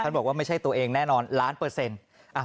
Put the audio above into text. บอกว่าไม่ใช่ตัวเองแน่นอนล้านเปอร์เซ็นต์